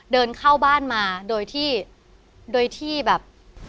เดินเข้าบ้านมาโดยที่แบบ